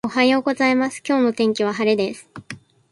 おはようございます、今日の天気は晴れです。